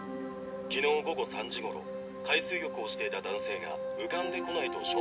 「昨日午後３時頃海水浴をしていた男性が浮かんでこないと消防に通報がありました」